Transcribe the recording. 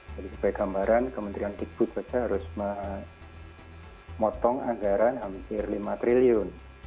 jadi sebagai gambaran kementerian dikutu saja harus memotong anggaran hampir lima triliun